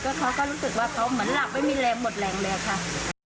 เขาก็รู้สึกว่าเขาเหมือนหลับไม่มีแรงหมดแรงเลยค่ะ